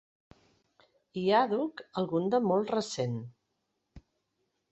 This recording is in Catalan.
I àdhuc algun de molt recent.